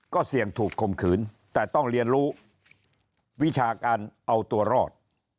ก็เสี่ยงถูกคมขืนแต่ต้องเรียนรู้วิชาการเอาตัวรอด